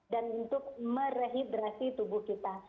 dan untuk merehidrasi tubuh kita